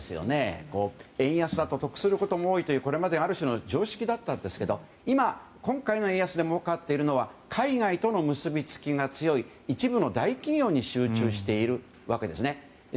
円安だと得することも多いというこれまである種の常識だったんですけど今、今回の円安でもうかっているのは海外との結びつきが強い一部の大企業に集中しているわけですね。